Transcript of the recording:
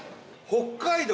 北海道